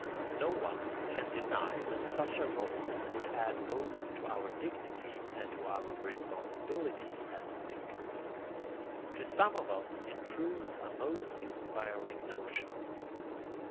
No one can deny that such a role would add both to our dignity and to our responsibility as thinkers. To some of us it proves a most inspiring notion.